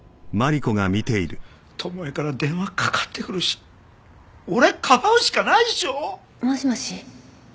巴から電話かかってくるし俺かばうしかないっしょ？もしもし？